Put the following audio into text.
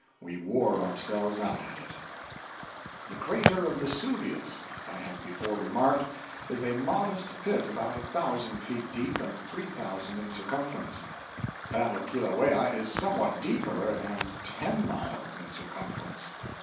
We wore ourselves out at it. 549.jpg (138K) The crater of Vesuvius, as I have before remarked, is a modest pit about a thousand feet deep and three thousand in circumference; that of Kilauea is somewhat deeper, and ten miles in circumference.